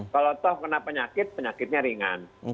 kalau toh kena penyakit penyakitnya ringan